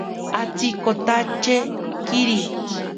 Atsikotache kiri.